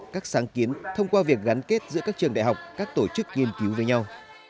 các sáng kiến thông qua việc gắn kết giữa các trường đại học các tổ chức nghiên cứu với nhau